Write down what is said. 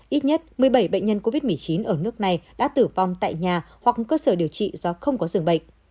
ít nhất một mươi bảy bệnh nhân covid một mươi chín ở nước này đã tử vong tại nhà hoặc cơ sở điều trị do không có dường bệnh